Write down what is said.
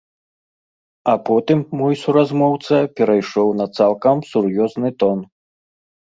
А потым мой суразмоўца перайшоў на цалкам сур'ёзны тон.